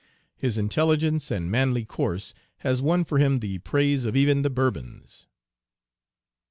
His intelligence and manly course has won for him the praise of even the Bourbons."